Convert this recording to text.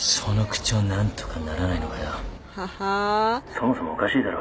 そもそもおかしいだろ。